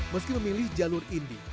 meski memilih jalur indy